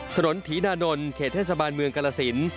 ถนนถีนานนท์เขตเทศบาลเมืองกรสิน